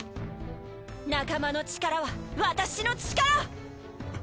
仲間の力は私の力！